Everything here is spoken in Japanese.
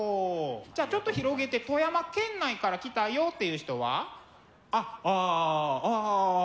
じゃあちょっと広げて富山県内から来たよっていう人は？あっああああ。